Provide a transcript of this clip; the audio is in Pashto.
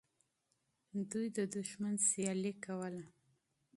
دوی د دښمن مقابله کوله.